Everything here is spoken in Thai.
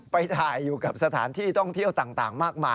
ไปถ่ายอยู่กับสถานที่ท่องเที่ยวต่างมากมาย